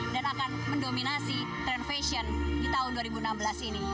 dan akan mendominasi tren fashion di tahun dua ribu enam belas ini